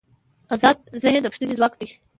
ازاد ذهن د پوښتنې ځواک لري.